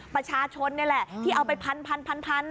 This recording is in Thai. ประชาชนนี่แหละที่เอาไปพัน